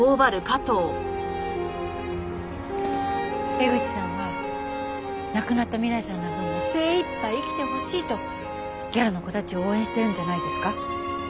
江口さんは亡くなった未来さんの分も精いっぱい生きてほしいとギャルの子たちを応援してるんじゃないですか？